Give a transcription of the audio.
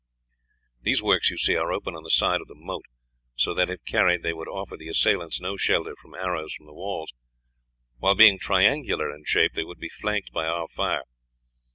"These works, you see, are open on the side of the moat, so that if carried they would offer the assailants no shelter from arrows from the walls, while being triangular in shape they would be flanked by our fire.